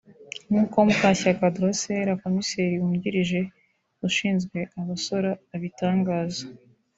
nk’uko Mukashyaka Drocelle komiseri wungirije ushinzwe abasora abitangaza